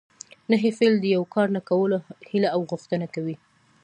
نهي فعل د یو کار نه کولو هیله او غوښتنه کوي.